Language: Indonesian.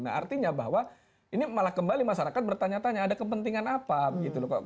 nah artinya bahwa ini malah kembali masyarakat bertanya tanya ada kepentingan apa gitu loh pak